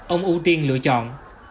ông ưu tiên lựa chọn